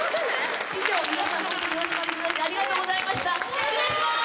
実は失礼します